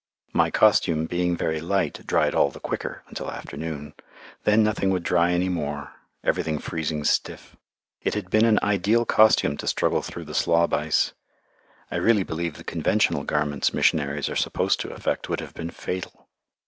My costume, being very light, dried all the quicker, until afternoon. Then nothing would dry anymore, everything freezing stiff. It had been an ideal costume to struggle through the slob ice. I really believe the conventional garments missionaries are supposed to affect would have been fatal.